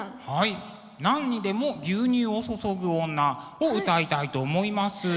はい「何にでも牛乳を注ぐ女」を歌いたいと思います。